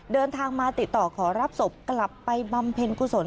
เดินทางมาติดต่อขอรับศพกลับไปบำเพ็ญกุศล